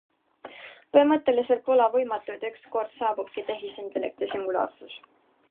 Põhimõtteliselt pole võimatu, et ükskord saabubki tehisintellekti singulaarsus.